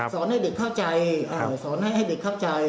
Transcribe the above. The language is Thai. ให้เด็กเข้าใจสอนให้เด็กเข้าใจ